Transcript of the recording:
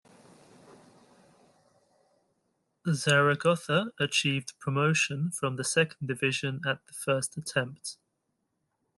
Zaragoza achieved promotion from the second division at the first attempt.